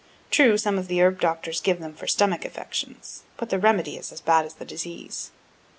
True, some of the herb doctors give them for stomachic affections, but the remedy is as bad as the disease.